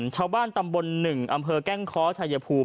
ชาวบ้านตำบล๑อำเภอแก้งค้อชายภูมิ